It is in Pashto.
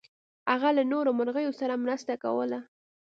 هغه له نورو مرغیو سره مرسته کوله.